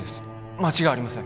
間違いありません